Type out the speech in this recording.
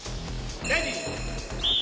レディー。